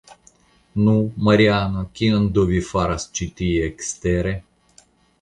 Nu, Mariano, kion do vi faras ĉi tie ekstere?